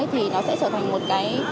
thì nó sẽ trở thành một cái